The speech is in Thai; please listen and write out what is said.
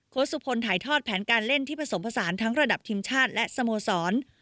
สุพลถ่ายทอดแผนการเล่นที่ผสมผสานทั้งระดับทีมชาติและสโมสร